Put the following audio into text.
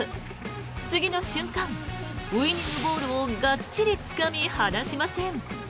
次の瞬間、ウィニングボールをがっちりつかみ、離しません。